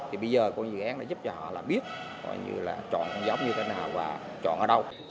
thì bây giờ coi dự án đã giúp cho họ là biết gọi như là chọn con giống như thế nào và chọn ở đâu